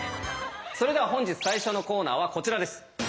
それでは本日最初のコーナーはこちらです！